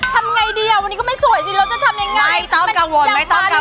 ทำอย่างไรดีวันนี้ก็ไม่สวยจริงเราจะทำอย่างไร